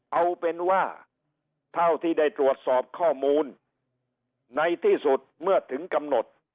เอาเป็นว่าเท่าที่ได้ตรวจสอบข้อมูลในที่สุดเมื่อถึงกำหนด